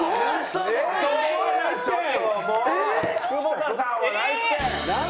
久保田さんはないって。